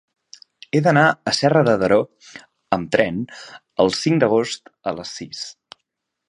He d'anar a Serra de Daró amb tren el cinc d'agost a les sis.